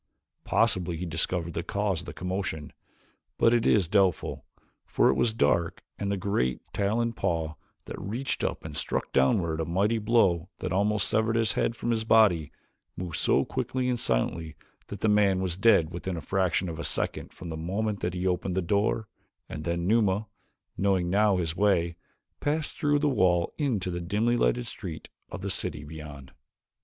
Possibly he discovered the cause of the commotion, but it is doubtful, for it was dark and the great, taloned paw that reached up and struck downward a mighty blow that almost severed his head from his body, moved so quickly and silently that the man was dead within a fraction of a second from the moment that he opened the door, and then Numa, knowing now his way, passed through the wall into the dimly lighted streets of the city beyond.